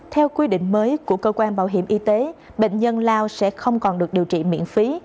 theo quy định mới của cơ quan bảo hiểm y tế bệnh nhân lao sẽ không còn được điều trị miễn phí